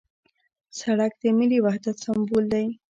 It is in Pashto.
سړک د ملي وحدت سمبول دی.